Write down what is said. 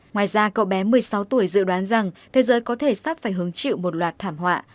ngoài ra cậu bé một mươi sáu tuổi dự đoán rằng thế giới có thể sắp phải hứng chịu một loạt thảm họa